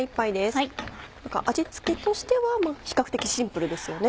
味付けとしては比較的シンプルですよね？